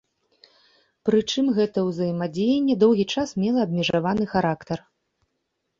Прычым, гэта ўзаемадзеянне доўгі час мела абмежаваны характар.